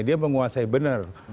dia menguasai benar